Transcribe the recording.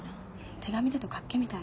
手紙だと脚気みたい。